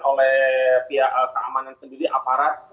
oleh pihak keamanan sendiri aparat